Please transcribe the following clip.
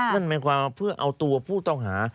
นั่นหมายความว่าเพื่อเอาตัวผู้ต้องหา